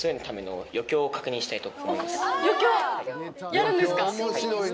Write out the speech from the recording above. やるんですか？